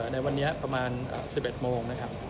ในวันนี้ประมาณ๑๑โมงนะครับ